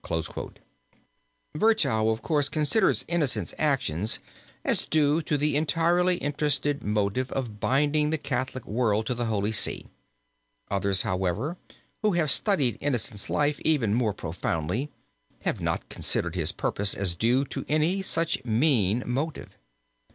{opp341} HOSPITAL OF THE HOLY GHOST (LÜBECK) Virchow, of course, considers Innocent's action as due to the entirely interested motive of binding the Catholic world to the Holy See. Others, however, who have studied Innocent's life even more profoundly, have not considered his purpose as due to any such mean motive.